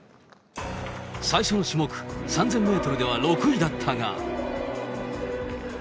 最初の種目、３０００メートルでは６位だったが。